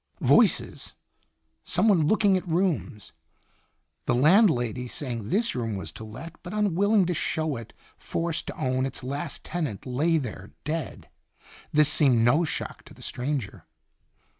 Voices. Some one looking at rooms. The landlady, saying this room was to let, but unwilling to show it, forced to own its last tenant lay there dead. This seemed no shock to the stranger.